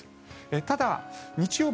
ただ、日曜日